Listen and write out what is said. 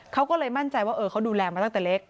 เขาก็เลยมั่นใจว่าเขาดูแลมาตั้งแต่เล็ก